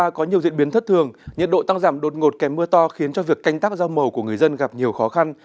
dân qua có nhiều diễn biến thất thường nhiệt độ tăng giảm đột ngột kém mưa to khiến cho việc canh tắp rau mầu của người dân gặp nhiều khó khăn